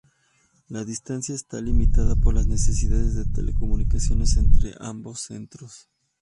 La distancia está limitada por las necesidades de telecomunicaciones entre ambos centros.